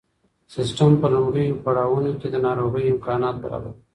سیسټم په لومړیو پړاوونو کې د ناروغۍ امکانات برابروي.